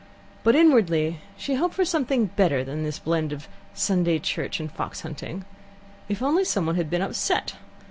But inwardly she hoped for something better than this blend of Sunday church and fox hunting. If only someone had been upset!